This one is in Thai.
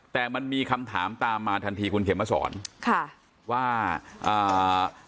แต่มันมีคำถามตามมาทันทีคุณเขมมาสอนค่ะว่าอ่า